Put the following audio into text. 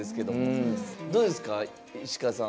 どうですか？